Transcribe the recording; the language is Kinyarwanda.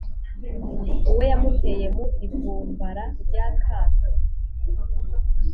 uwe yamuteye mu ivumbara ry'akato.